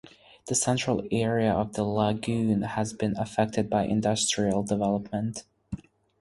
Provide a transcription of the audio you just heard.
The central area of the lagoon has been affected by industrial development.